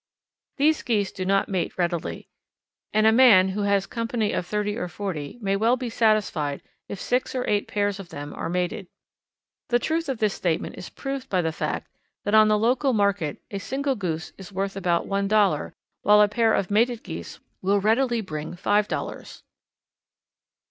These Geese do not mate readily, and a man who has a company of thirty or forty may well be satisfied if six or eight pairs of them are mated. The truth of this statement is proved by the fact that on the local market a single Goose is worth about one dollar, while a pair of mated Geese will readily bring five dollars.